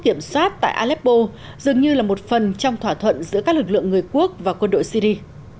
kiểm soát tại aleppo dường như là một phần trong thỏa thuận giữa các lực lượng người quốc và quân đội syri